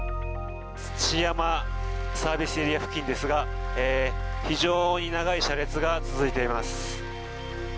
土山サービスエリア付近ですが非常に長い車列が続いています。